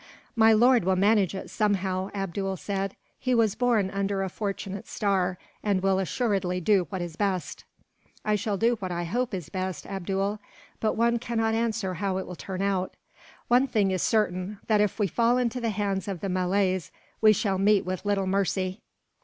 "My lord will manage it, somehow," Abdool said; "he was born under a fortunate star, and will assuredly do what is best." "I shall do what I hope is best, Abdool; but one cannot answer how it will turn out. One thing is certain: that if we fall into the hands of the Malays, we shall meet with little mercy."